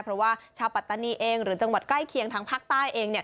เพราะว่าชาวปัตตานีเองหรือจังหวัดใกล้เคียงทางภาคใต้เองเนี่ย